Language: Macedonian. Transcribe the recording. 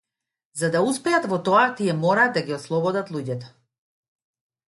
За да успеат во тоа тие мораат да ги ослободат луѓето.